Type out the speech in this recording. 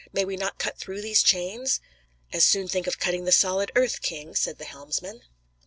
May we not cut through these chains?" "As soon think of cutting the solid earth, king," said the helmsman.